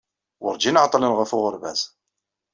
Werǧin ɛeḍḍlen ɣef uɣerbaz.